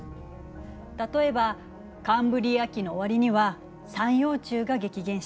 例えばカンブリア紀の終わりには三葉虫が激減している。